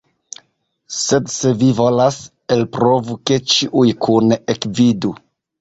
Sed se vi volas, elprovu, ke ĉiuj kune ekvidu.